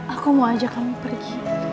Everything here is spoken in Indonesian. aku mau ajak kamu pergi